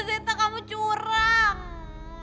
zeta kamu curang